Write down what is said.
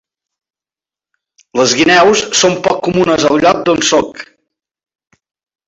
Les guineus són poc comunes al lloc d'on soc.